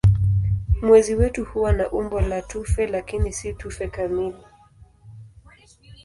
Mwezi wetu huwa na umbo la tufe lakini si tufe kamili.